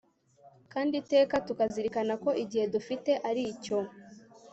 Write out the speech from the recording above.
Kandi iteka tukazirikana ko igihe dufite ari icyo